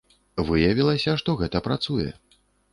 Выявілася, што гэта працуе.